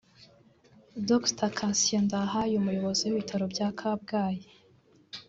Dr Cassien Ndahayo umuyobozi w’Ibitaro bya Kabgayi